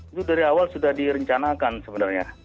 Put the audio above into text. itu dari awal sudah direncanakan sebenarnya